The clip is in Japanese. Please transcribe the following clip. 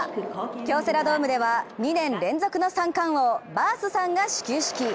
京セラドームでは２年連続の三冠王・バースさんが始球式。